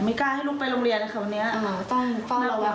ไม่กล้าให้ลูกไปโรงเรียนค่ะวันนี้อ๋อต้องต้องระวังใช่ไหมค่ะ